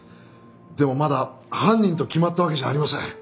でもまだ犯人と決まったわけじゃありません。